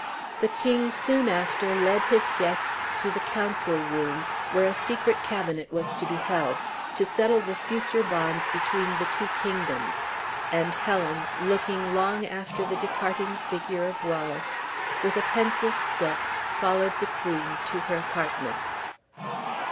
The king soon after led his guests to the council room, where a secret cabinet was to be held, to settle the future bonds between the two kingdoms; and Helen, looking long after the departing figure of Wallace, with a pensive step followed the queen to her apartment.